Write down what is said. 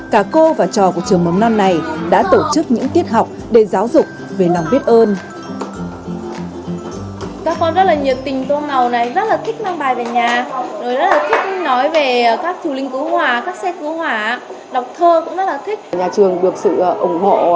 cả cô và trò của trường mầm non này đã tổ chức những tiết học để giáo dục về lòng biết ơn